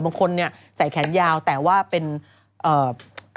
บางคนใส่แขนยาวแต่ว่าเป็นลูกไม้